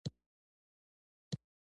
زلزله د ځمک ښویدو او ډبرو حرکت لامل کیږي